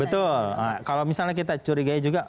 betul kalau misalnya kita curigai juga